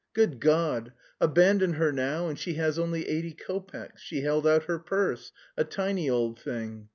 "Good God! Abandon her now, and she has only eighty kopecks; she held out her purse, a tiny old thing!